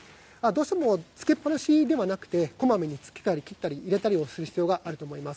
どうしてもつけっぱなしではなくてこまめにつけたり消したりの必要があると思います。